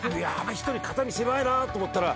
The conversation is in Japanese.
１人肩身狭いなと思ったら。